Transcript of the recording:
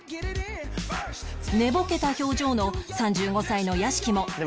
寝ぼけた表情の３５歳の屋敷も